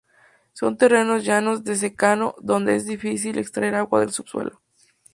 Son terrenos llanos, de secano, donde es difícil extraer agua del subsuelo.